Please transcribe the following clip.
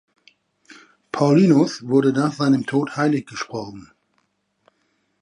Paulinus wurde nach seinem Tod heiliggesprochen.